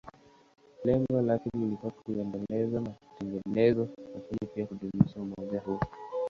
Lengo lake lilikuwa kuendeleza matengenezo, lakini pia kudumisha umoja huo.